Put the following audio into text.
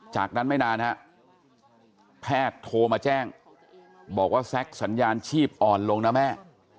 จากนั้นไม่นานฮะแพทย์โทรมาแจ้งบอกว่าแซ็กสัญญาณชีพอ่อนลงนะแม่